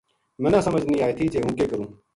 مَنا سمجھ نیہہ آئے تھی جے ہوں کے کروں